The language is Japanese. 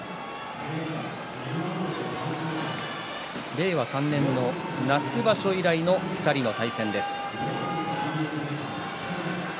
令和３年の夏場所以来の２人の対戦です。